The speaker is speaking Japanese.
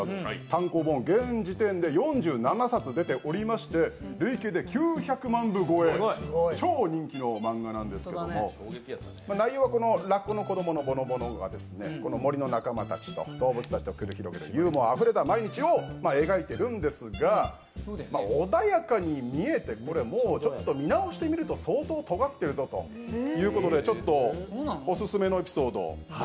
単行本現時点で４７冊出ておりまして累計で９００万部超え、超人気の漫画なんですけれども、内容はラッコの子供のぼのぼのが森の仲間たちと、動物たちと繰り広げるユーモアあふれた毎日を描いているんですが、穏やかに見えて見直してみると相当とがってるぞということで、オススメのエピソードを。